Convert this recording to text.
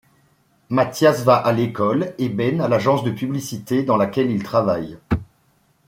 Mathias va à l'école et Ben à l'agence de publicité dans laquelle il travaille.